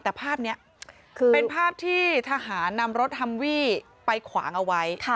แต่ภาพนี้คือเป็นภาพที่ทหารนำรถฮัมวี่ไปขวางเอาไว้